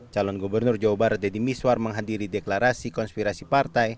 calon gubernur jawa barat deddy miswar menghadiri deklarasi konspirasi partai